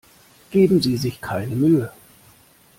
Geben Sie sich keine Mühe.